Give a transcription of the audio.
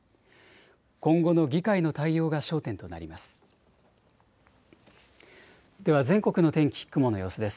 今後の議会の対応が焦点となります。